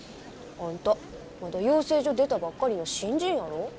あんたまだ養成所出たばっかりの新人やろ？